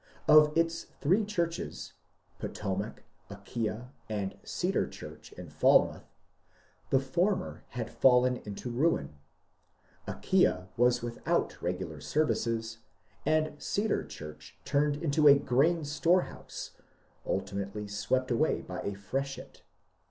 Of its three churches, — Potomac, Aquia, and Cedar church in Falmouth, — the former had fallen into ruin, Aquia was without regular services, and Cedar church turned into a grain storehouse (ultimately swept away by a freshet).